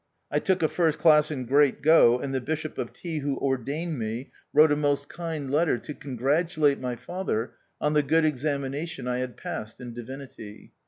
I took a first class in Great Go, and the Bishop of T , who ordained me, wrote a most THE OUTCAST. 61 kind letter to congratulate my father on the good examination I had passed in divinity.